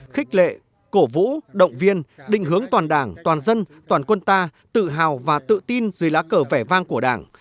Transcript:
khích lệ cổ vũ động viên định hướng toàn đảng toàn dân toàn quân ta tự hào và tự tin dưới lá cờ vẻ vang của đảng